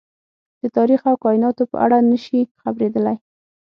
د تاريخ او کايناتو په اړه نه شي خبرېدلی.